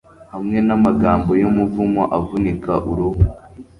hamwe namagambo yumuvumo avunika uruhu